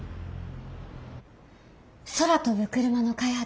空飛ぶクルマの開発